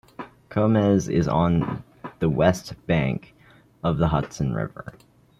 Coeymans is on the west bank of the Hudson River.